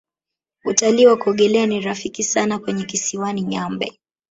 Utalii wa kuogelea ni rafiki sana kwenye kisiwani nyambe